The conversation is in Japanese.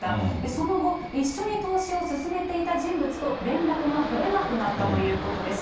その後、一緒に投資を進めていた人物と連絡が取れなくなったということです。